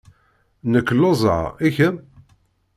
Nekk lluẓeɣ. I kemm?